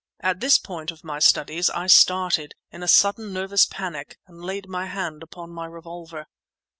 At this point of my studies I started, in a sudden nervous panic, and laid my hand upon my revolver.